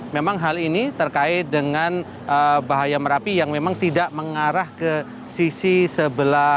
memang hal ini terkait dengan bahaya merapi yang memang tidak mengarah ke sisi sebelah